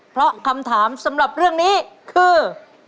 เพราะคำถามสำหรับเรื่องนี้คือ